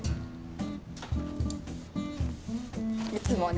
いつもね。